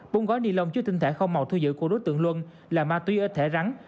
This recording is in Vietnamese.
bốn gói nilon chứa tinh thể không màu thu giữ của đối tượng luân là ma túy ếch thể rắn